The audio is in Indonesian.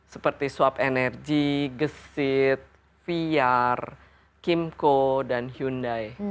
seperti swap energy gesit fiar kimco dan hyundai